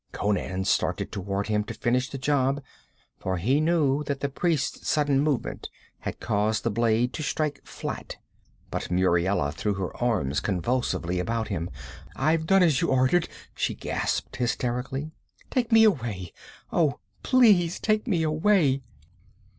Conan started toward him to finish the job for he knew that the priest's sudden movement had caused the blade to strike flat but Muriela threw her arms convulsively about him. 'I've done as you ordered!' she gasped hysterically. 'Take me away! Oh, please take me away!'